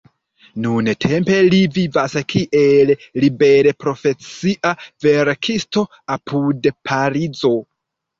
Nuntempe li vivas kiel liberprofesia verkisto apud Parizo.